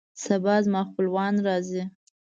سبا زما خپلوان راځي